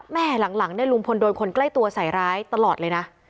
แม่หลังหลังเนี้ยลุงพลโดนคนใกล้ตัวใส่ร้ายตลอดเลยนะ